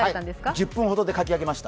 １０分ほどで書き上げました。